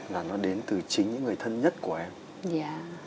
là nó đến từ chính những người thân nhất của anh